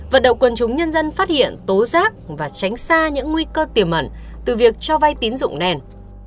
vận động quần chúng nhân dân phát hiện tố giác và tránh xa những nguy cơ tiềm mẩn từ việc cho vay tín dụng nền